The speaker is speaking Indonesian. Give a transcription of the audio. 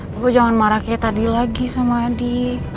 aku jangan marah kayak tadi lagi sama adi